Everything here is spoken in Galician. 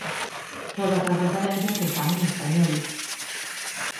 Todas as referencias están en español.